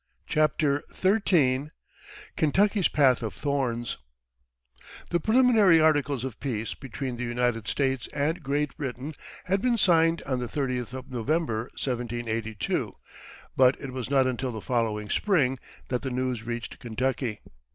CHAPTER XIII KENTUCKY'S PATH OF THORNS The preliminary articles of peace between the United States and Great Britain had been signed on the thirtieth of November, 1782; but it was not until the following spring that the news reached Kentucky.